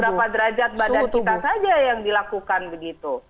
berapa derajat badan kita saja yang dilakukan begitu